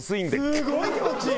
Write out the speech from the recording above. すごい気持ちいい！